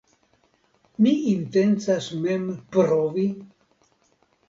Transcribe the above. Mi intencas mem provi?